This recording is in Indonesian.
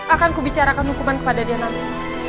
akan kubicarakan hukuman kepada dia nanti